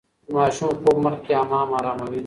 د ماشوم خوب مخکې حمام اراموي.